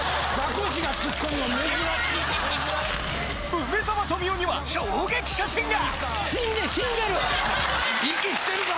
梅沢富美男には衝撃写真が！